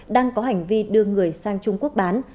đang có hành vi đưa người sang trung quốc bán